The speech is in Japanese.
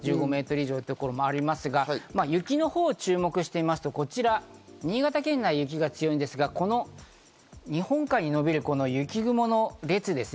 １５メートル以上のところもありますが、雪のほうに注目してみますと、新潟県内、雪が強いですが、日本海に伸びる雪雲の列ですね。